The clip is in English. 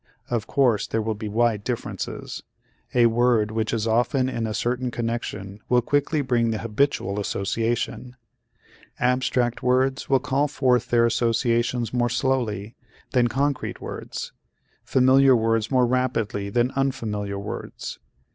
Of course there will be wide differences. A word which is often in a certain connection will quickly bring the habitual association. Abstract words will call forth their associations more slowly than concrete words, familiar words more rapidly than unfamiliar words.